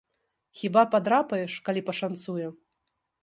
Хіба падрапаеш, калі пашанцуе.